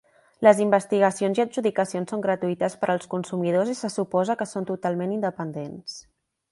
Les investigacions i adjudicacions són gratuïtes per als consumidors i se suposa que són totalment independents.